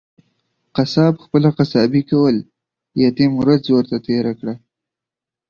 قصاب خپله قصابي کول ، يتيم ورځ ورته تيره کړه.